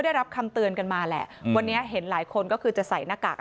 ได้รับคำเตือนกันมาแหละวันนี้เห็นหลายคนก็คือจะใส่หน้ากาก